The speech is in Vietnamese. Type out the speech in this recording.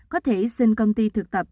có thể xin công ty thực tập